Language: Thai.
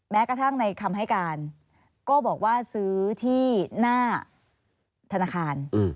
แม้กระทั่งในคำให้การก็บอกว่าซื้อที่หน้าธนาคาร